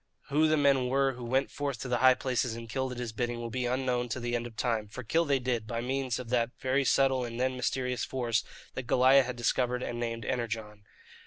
Who the men were who went forth to the high places and killed at his bidding will be unknown to the end of time for kill they did, by means of that very subtle and then mysterious force that Goliah had discovered and named "Energon."